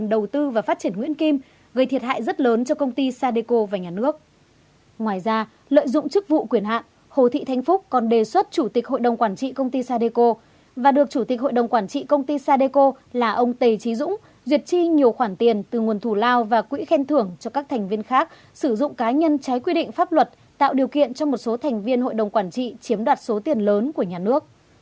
duyệt chi nhiều khoản tiền từ nguồn thù lao và quỹ khen thưởng cho các thành viên khác sử dụng cá nhân trái quy định pháp luật tạo điều kiện cho một số thành viên hội đồng quản trị chiếm đoạt số tiền lớn của nhà nước